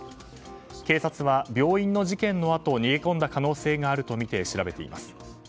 警察は病院の事件のあと逃げ込んだ可能性があるとみて調べています。